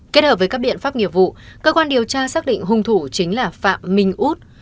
kết hợp với các biện pháp nghiệp vụ cơ quan điều tra xác định hung thủ chính là phạm minh út